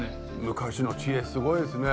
昔の知恵すごいですね。